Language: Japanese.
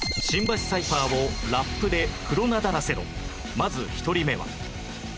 まず１人目は